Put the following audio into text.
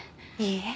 いいえ。